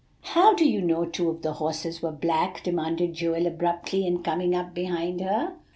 "How do you know two of the horses were black?" demanded Joel abruptly, and coming up behind her.